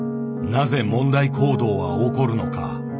なぜ問題行動は起こるのか。